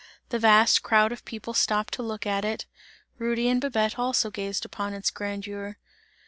The vast crowd of people stopped to look at it, Rudy and Babette also gazed upon its grandeur.